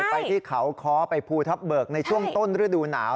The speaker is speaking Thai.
ไปที่เขาค้อไปภูทับเบิกในช่วงต้นฤดูหนาว